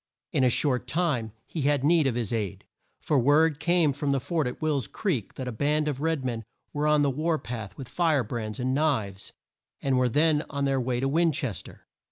In a short time he had need of his aid, for word came from the fort at Will's Creek that a band of red men were on the war path with fire brands, and knives, and were then on their way to Win ches ter.